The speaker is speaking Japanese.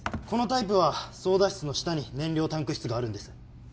このタイプは操舵室の下に燃料タンク室があるんです